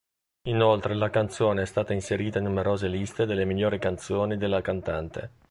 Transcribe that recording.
Inoltre la canzone è stata inserita in numerose liste delle migliori canzoni della cantante.